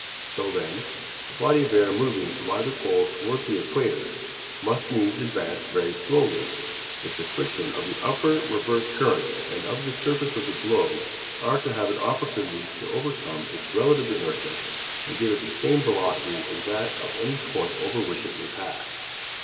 So then, a body of air moving from either pole toward the equator, must needs advance very slowly if the friction of the upper reverse currents and of the surface of the globe are to have opportunity to overcome its relative inertia and give it the same velocity as that of any point over which it may pass.